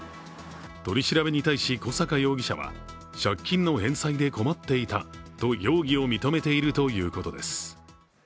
取り調べに対し、小阪容疑者は借金の返済で困っていたと容疑を認めているということです。